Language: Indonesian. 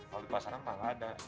kalau di pasarnya apa enggak ada